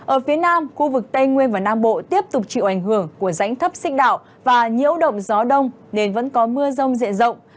ở phía nam khu vực tây nguyên và nam bộ tiếp tục chịu ảnh hưởng của rãnh thấp xích đạo và nhiễu động gió đông nên vẫn có mưa rông diện rộng